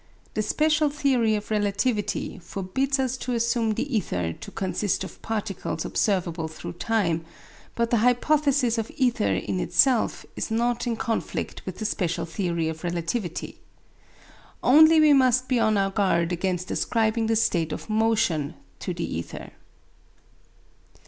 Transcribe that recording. The special theory of relativity forbids us to assume the ether to consist of particles observable through time, but the hypothesis of ether in itself is not in conflict with the special theory of relativity. Only we must be on our guard against ascribing a state of motion to the ether.